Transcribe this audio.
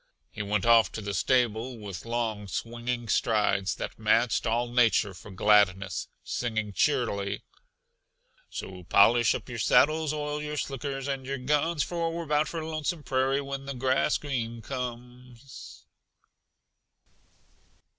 He went off to the stable with long, swinging strides that matched all nature for gladness, singing cheerily: "So polish up your saddles, oil your slickers and your guns, For we're hound for Lonesome Prairie when the green grass comes."